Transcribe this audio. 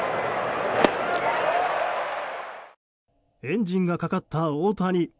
エンジンがかかった大谷。